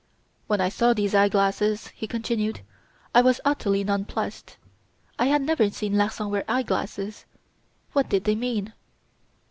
"When I saw these eye glasses," he continued, "I was utterly nonplussed. I had never seen Larsan wear eye glasses. What did they mean?